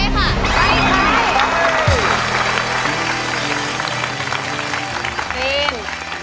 จริง